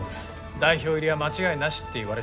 代表入りは間違いなしって言われてたのにね。